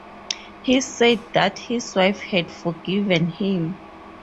He said that his wife had forgiven him.